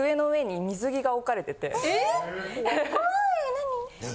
何？